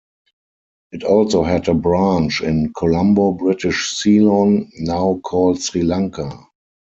It also had a branch in Colombo, British Ceylon, now called Sri Lanka.